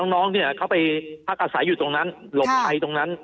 น้องเนี่ยเขาไปพักอาศัยอยู่ตรงนั้นหลบภัยตรงนั้น